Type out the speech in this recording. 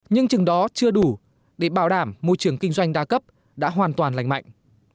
nhưng chừng đó chưa đủ để bảo đảm môi trường kinh doanh đa cấp đã hoàn toàn lành mạnh